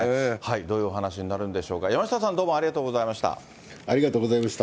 どういうお話になるんでしょうか、山下さん、どうもありがとありがとうございました。